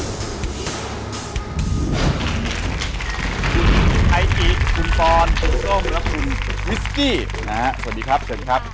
คุณไอจีคุณปอนคุณส้มและคุณวิสกี้นะฮะสวัสดีครับเชิญครับ